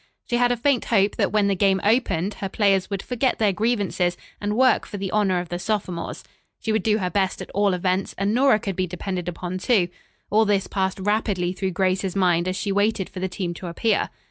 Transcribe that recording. She had a faint hope that when the game opened, her players would forget their grievances and work for the honor of the sophomores. She would do her best at all events, and Nora could be depended upon, too. All this passed rapidly through Grace's mind as she waited for the team to appear.